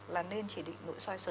là nên chỉ định nội soi sớm